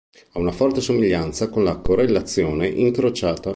Ha una forte somiglianza con la correlazione incrociata.